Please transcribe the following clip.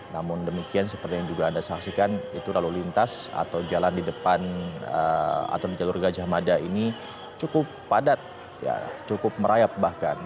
namun demikian seperti yang juga anda saksikan itu lalu lintas atau jalan di depan atau di jalur gajah mada ini cukup padat cukup merayap bahkan